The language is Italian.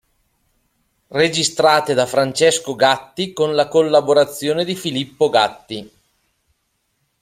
Registrate da Francesco Gatti con la collaborazione di Filippo Gatti.